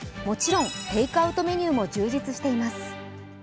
もちろんテイクアウトメニューも充実しています。